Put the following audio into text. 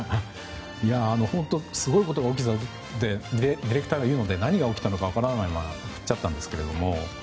本当すごいことが起きたってディレクターが言うので何が起きたか分からないまま振っちゃったんですけど。